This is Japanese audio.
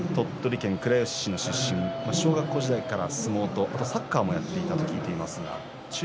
鳥取県倉吉市の出身小学校時代から相撲とサッカーをやっていたと聞いています。